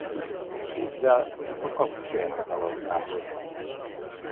Kézzel csak a kapus érhet a labdához.